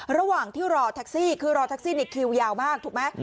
ระหว่างที่รอแท็กซี่คือรอแท็กซี่ในคิวยาวมากถูกไหม